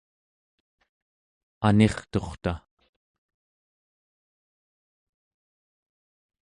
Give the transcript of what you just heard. anirturta